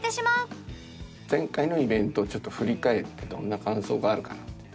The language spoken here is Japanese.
前回のイベントをちょっと振り返ってどんな感想があるかなっていう。